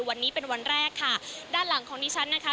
วันนี้เป็นวันแรกค่ะด้านหลังของดิฉันนะคะ